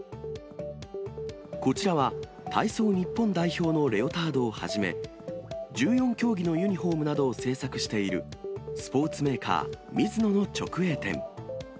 こちらは、体操日本代表のレオタードをはじめ、１４競技のユニホームなどを製作している、スポーツメーカー、ミズノの直営店。